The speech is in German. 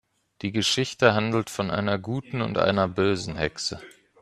Die Geschichte handelt von einer guten und einer bösen Hexe.